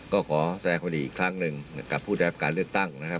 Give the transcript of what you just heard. ก็ขอแสดงความดีอีกครั้งหนึ่งนะครับกับผู้ได้รับการเลือกตั้งนะครับ